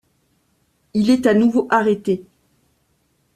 Il est à nouveau arrêté.